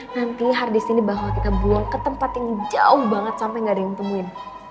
nanti hard disk ini bakal kita buang ketempat ini jauh banget sampe gak ada yang temuin